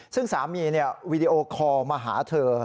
ซึ่งสามีวีดีโอคอลมาหาเธอ